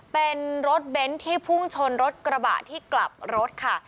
เป็นรถเบนท์ที่พุ่งชนรถกระบะที่กลับรถค่ะ